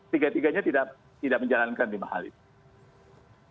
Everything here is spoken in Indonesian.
tiga tiganya tidak menjalankan lima hal itu